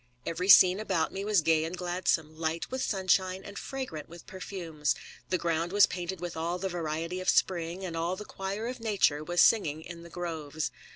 Every scene about me was gay and gladsome^ light with sunshiny and fragrant with perfumes; the ground was painted with all the variety of spring, and all the choir of nature was singing in the groves.